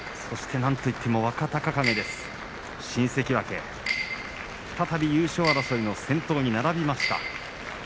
そして、なんといっても若隆景新関脇再び優勝争いの先頭に並びました。